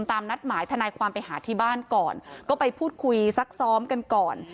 นัดหมายทนายความไปหาที่บ้านก่อนก็ไปพูดคุยซักซ้อมกันก่อน